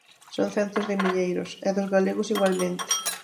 Son centos de milleiros, e dos galegos igualmente.